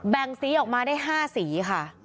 สีออกมาได้๕สีค่ะ